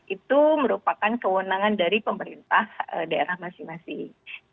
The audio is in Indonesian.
itu merupakan kewenangan dari pemerintah daerah masing masing